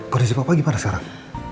kondisi papa gimana sekarang